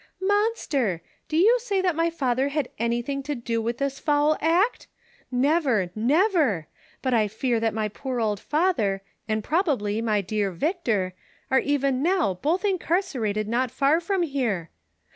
''Monster! do you say that my father had anything to do with this foul act ? Never, never ; but I fear that my poor old father, and probably my dear Victor, are even now both incarcerated not far from here.